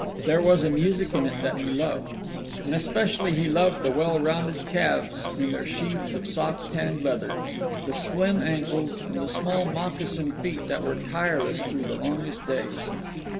There was a music in it that he loved. And especially he loved the well rounded calves in their sheaths of soft tanned leather, the slim ankles, and the small moccasined feet that were tireless through the longest days.